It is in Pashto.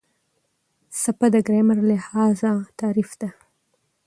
څپه د ګرامر لحاظه تعریف ده.